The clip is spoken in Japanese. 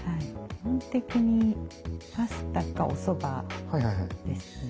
基本的にパスタかおそばですね。